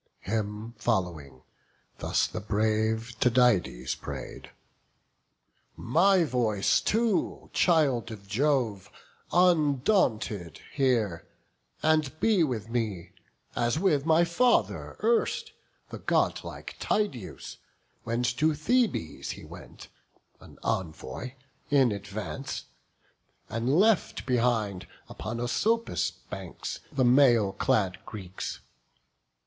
Him following, thus the brave Tydides pray'd: "My voice too, child of Jove, undaunted, hear; And be with me, as with my father erst, The godlike Tydeus, when to Thebes he went, An envoy, in advance; and left behind, Upon Asopus' banks the mail clad Greeks.